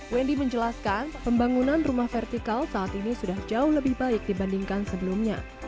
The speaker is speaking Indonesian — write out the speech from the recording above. wendy menjelaskan pembangunan rumah vertikal saat ini sudah jauh lebih baik dibandingkan sebelumnya